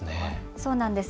そうなんです。